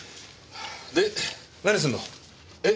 で何すんの？え？